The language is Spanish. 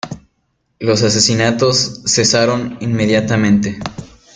Los asesinatos cesaron inmediatamente.